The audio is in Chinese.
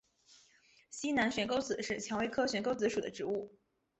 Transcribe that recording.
西南悬钩子是蔷薇科悬钩子属的植物。